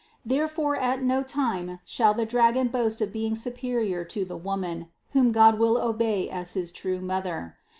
Therefore at no time shall the dragon boast of being superior to the Woman, whom God will obey as his true Mother.